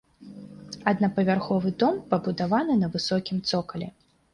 Аднапавярховы дом пабудаваны на высокім цокалі.